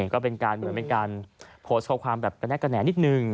ก็เป็นการโพสต์ข้อความแน็กกระแหนนิดนึง